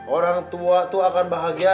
orang tua itu akan bahagia